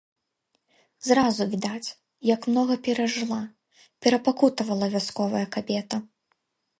Зразу відаць, як многа перажыла, перапакутавала вясковая кабета.